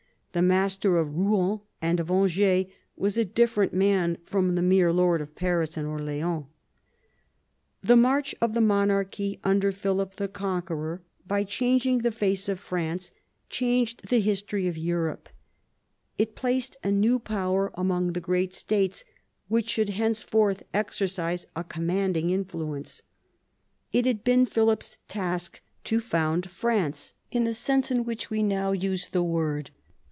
The master of Rouen and of Angers was a different man from the mere lord of Paris and Orleans. The march of the monarchy under Philip the Con queror by changing the face of France changed the history of Europe. It placed a new power among the great states, which should henceforth exercise a com manding influence. It had been Philip's task to found France in the sense in which we now use the word.